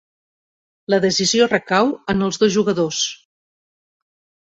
La decisió recau en els dos jugadors.